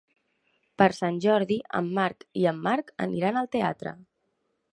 Per Sant Jordi en Marc i en Marc aniran al teatre.